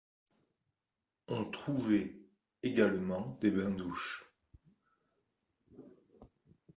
On trouvait également des bains-douches.